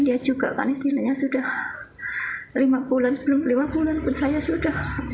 dia juga kan istilahnya sudah lima bulan sebelum lima bulan pun saya sudah